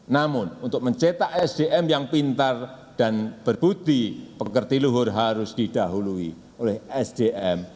namun untuk mencetak sdm yang pintar dan berbukti pekerja luhur harus didahului oleh sdm